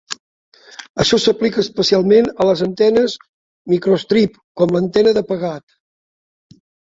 Això s"aplica especialment a les antenes microstrip com l"antena de pegat.